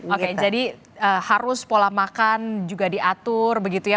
oke jadi harus pola makan juga diatur begitu ya